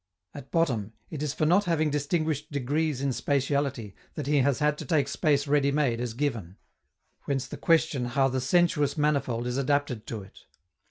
At bottom, it is for not having distinguished degrees in spatiality that he has had to take space ready made as given whence the question how the "sensuous manifold" is adapted to it.